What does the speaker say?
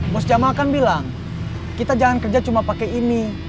bos diyama kan bilang kita jangan kerja cuma pake ini